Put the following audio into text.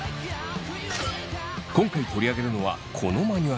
今回取り上げるのはこのマニュアル。